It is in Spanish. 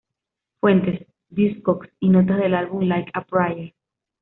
Fuentes: Discogs y notas del álbum "Like a Prayer".